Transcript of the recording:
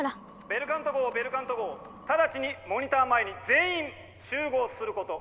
「ベルカント号ベルカント号ただちにモニター前に全員集合すること」。